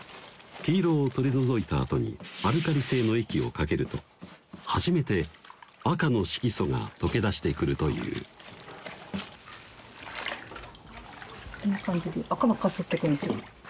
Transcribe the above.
黄色を取り除いたあとにアルカリ性の液をかけると初めて赤の色素が溶け出してくるというこんな感じで赤ばっか吸ってくるんですよ